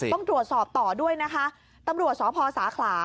ต้องตรวจสอบต่อด้วยนะคะตำรวจสพสาขลา